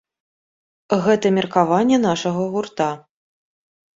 Гэта меркаванне нашага гурта.